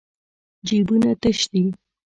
جېبونه تش دي.